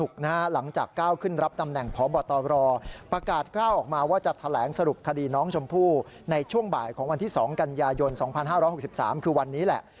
เข้าออกมาว่าจะแถลงสรุปคดีน้องชมพู่ในช่วงบ่ายของวันที่๒กันยายน๒๕๖๓คือวันนี้แหละ